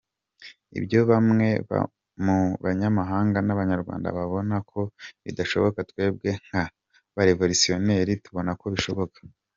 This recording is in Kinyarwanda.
Ibyo bamwe mu banyamahanga n’abanyarwanda babona ko bidashoboka twebwe nka barevolutiomnaires tubonako bishoboka!